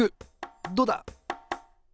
どうだ！